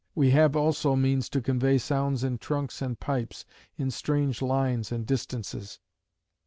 We have also means to convey sounds in trunks and pipes, in strange lines and distances.